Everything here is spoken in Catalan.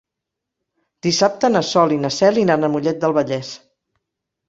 Dissabte na Sol i na Cel iran a Mollet del Vallès.